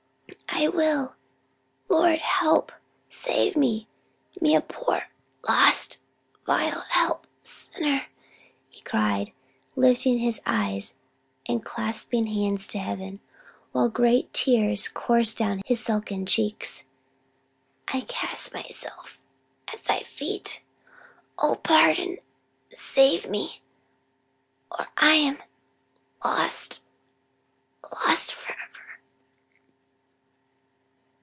"I will! Lord, help save me! me a poor lost vile helpless sinner!" he cried, lifting his eyes and clasped hands to heaven, while great tears coursed down his sunken cheeks. "I cast myself at thy feet; oh pardon, save me or I am lost lost forever."